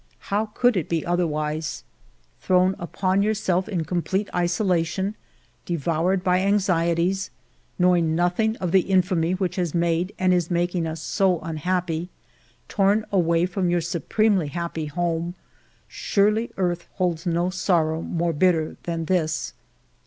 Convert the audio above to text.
How could it be otherwise ^ Thrown upon yourself in complete isolation, de voured by anxieties, knowing nothing of the infamy which has made and is making us so un happy, torn away from your supremely happy home, — surely earth holds no sorrow more bitter than this